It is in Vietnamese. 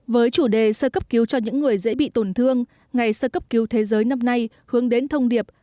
với chủ đề sơ cấp cứu cho những người dễ bị tổn thương ngày sơ cấp cứu thế giới năm nay hướng đến thông điệp